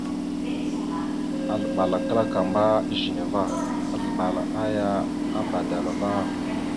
Azləɓal a klakamba a ezine va, azləɓal aya a badala vaŋa.